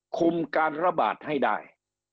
คุมการระบาดให้ได้